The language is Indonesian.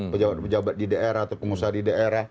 pejabat pejabat di daerah atau pengusaha di daerah